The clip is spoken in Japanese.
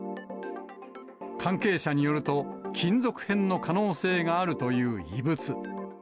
関係者によると、金属片の可能性があるという異物。